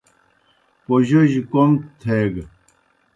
پوجوجیْ کوْم تھیگہ۔